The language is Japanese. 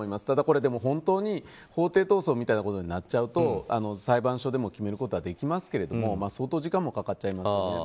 ただ本当に法廷闘争みたいなことになっちゃうと裁判所でも決めることはできますけど相当時間もかかっちゃいますよね。